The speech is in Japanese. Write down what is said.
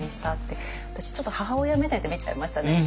私ちょっと母親目線で見ちゃいましたね。